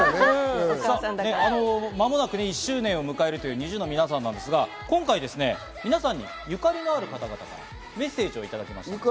間もなく一周年を迎えるというＮｉｚｉＵの皆さん、今回、皆さんにゆかりのある方々からメッセージをいただきました。